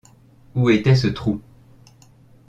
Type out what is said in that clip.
Où était ce trou?